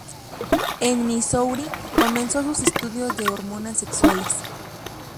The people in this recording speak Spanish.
En Missouri, comenzó sus estudios de hormonas sexuales.